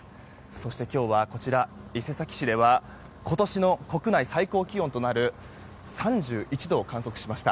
そして今日は伊勢崎市では今年の国内最高気温となる３１度を観測しました。